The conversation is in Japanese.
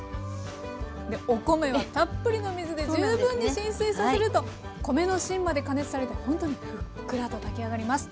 お米はたっぷりの水で十分に浸水させると米の芯まで加熱されてほんとにふっくらと炊き上がります。